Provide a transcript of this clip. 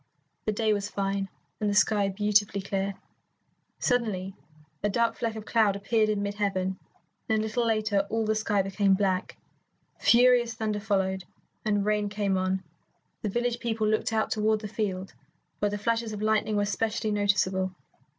The day was fine, and the sky beautifully clear. Suddenly a dark fleck of cloud appeared in mid heaven, and a little later all the sky became black. Furious thunder followed, and rain came on. The village people looked out toward the field, where the flashes of lightning were specially noticeable.